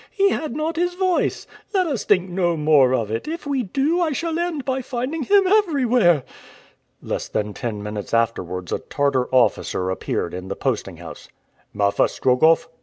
He had not his voice. Let us think no more of it; if we do I shall end by finding him everywhere." Less than ten minutes afterwards a Tartar officer appeared in the posting house. "Marfa Strogoff?"